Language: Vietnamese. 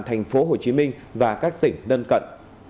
thành phố hồ chí minh và các tỉnh lân cận